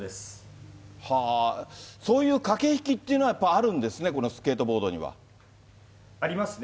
そういう駆け引きというのは、やっぱあるんですね、このスケートボードには。ありますね。